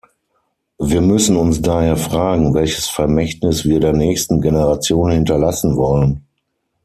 Wir müssen uns daher fragen, welches Vermächtnis wir der nächsten Generation hinterlassen wollen.